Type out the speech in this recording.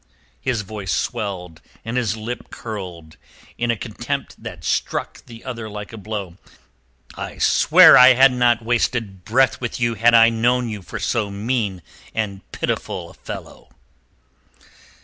His voice swelled and his lip curled in a contempt that struck the other like a blow. "I swear I had not wasted breath with you had I known you for so mean and pitiful a fellow."